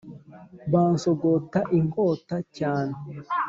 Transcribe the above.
bansogota inkota cyane